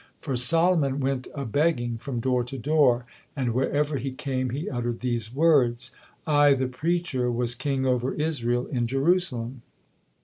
For Solomon went a begging from door to door; and wherever he came he uttered these words; "I, the preacher, was king over Israel in Jerusalem."